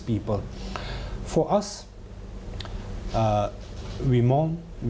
เพื่อเราเราต้องกลัวเราต้องกลัว